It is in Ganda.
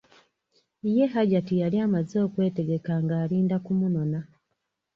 Ye Hajati yali amaze okwetegekka ng'alinda kumunona.